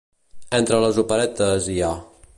Entre les operetes hi ha.